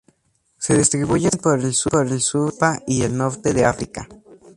Se distribuyen por el sur de Europa y el norte de África.